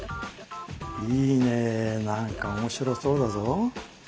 いいね何か面白そうだぞ。